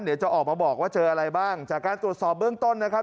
เดี๋ยวจะออกมาบอกว่าเจออะไรบ้างจากการตรวจสอบเบื้องต้นนะครับ